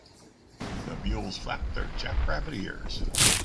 The mules flapped their jackrabbit ears.